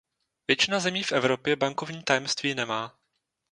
Většina zemí v Evropě bankovní tajemství nemá.